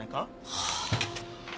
はあ。